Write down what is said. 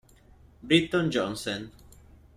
Britton Johnsen